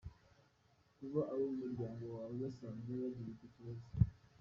Kuba abo mu muryango wawe basanzwe bagira icyo kibazo.